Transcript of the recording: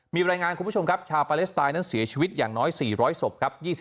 มีรายงานคุณผู้ชมครับชาวปาเลสไตน์นั้นเสียชีวิตอย่างน้อย๔๐๐ศพครับ